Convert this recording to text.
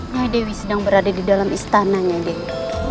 nyai dewi sedang berada di dalam istana nyai dewi